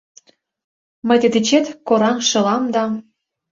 Мый тый дечет кораҥ шылам да